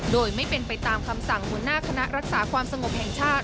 โดยไม่เป็นไปตามคำสั่งหัวหน้าคณะรักษาความสงบแห่งชาติ